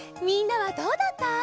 みんなはどうだった？